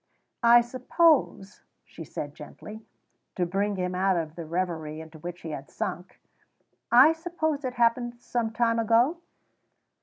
"I suppose," she said gently, to bring him out of the reverie into which he had sunk, "I suppose it happened some time ago?"